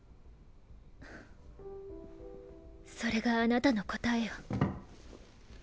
それがあなたのこたえよ。